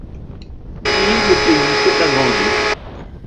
Puis le pays s'est agrandi.